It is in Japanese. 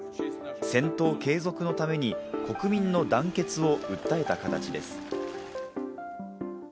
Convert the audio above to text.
戦闘継続のために国民の団結を訴えた形です。